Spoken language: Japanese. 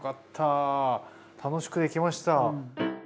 楽しくできました。